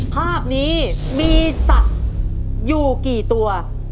ภาพนี้มีสัตว์อยู่กี่ตัว